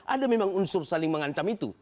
ada memang unsur saling mengancam itu